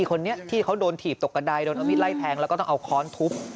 คนนี้ที่เขาโดนถีบตกกระดายโดนเอามีดไล่แทงแล้วก็ต้องเอาค้อนทุบ